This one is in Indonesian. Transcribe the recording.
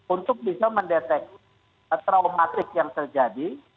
untuk bisa mendeteksi traumatik yang terjadi